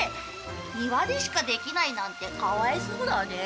庭でしかできないなんてかわいそうだね。